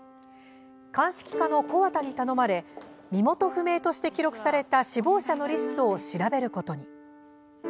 鑑識課の木幡に頼まれ身元不明として記録された死亡者のリストを調べることに。